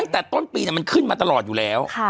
ตั้งแต่ต้นปีมันขึ้นมาตลอดอยู่แล้ว